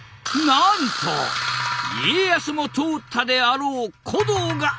なんと家康も通ったであろう古道が現れたぞ！